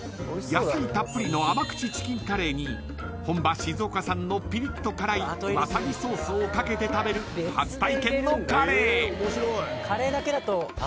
［野菜たっぷりの甘口チキンカレーに本場静岡産のピリッと辛いわさびソースをかけて食べる初体験のカレー］